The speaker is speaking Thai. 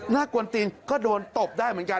กวนตีนก็โดนตบได้เหมือนกัน